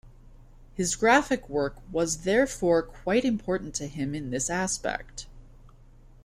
His graphic work, was therefore quite important to him in this aspect.